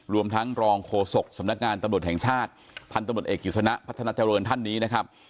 รวมทั้งรองโฆษกสำนักงานตำรวจแห่งชาติพันธุ์ตำรวจเอกกิจสนะพัฒนาเจริญท่านนี้นะครับ